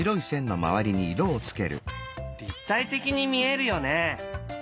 立体的に見えるよね。